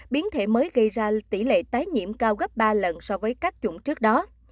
biến thể mới gây ra tỷ lệ tái nhiễm cao gấp ba lần so với các chủng trước đó